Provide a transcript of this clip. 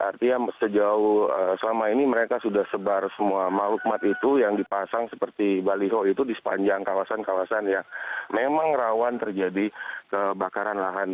artinya sejauh selama ini mereka sudah sebar semua maklumat itu yang dipasang seperti baliho itu di sepanjang kawasan kawasan yang memang rawan terjadi kebakaran lahan